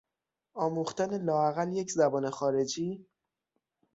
آموختن لااقل یک زبان خارجی